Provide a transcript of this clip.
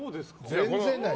全然ない。